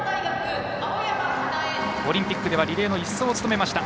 オリンピックではリレーの１走を務めました。